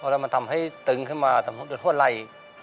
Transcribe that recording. แล้วมันทำให้ตึงขึ้นมาทำให้หัวไล่